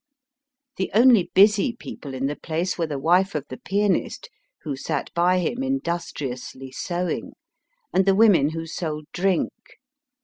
The only busy people in the place were the wife of the pianist, who sat by him in dustriously sewing, and the women who sold drink.